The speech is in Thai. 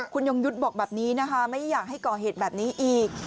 คุณยงยุทธ์บอกแบบนี้นะคะไม่อยากให้ก่อเหตุแบบนี้อีก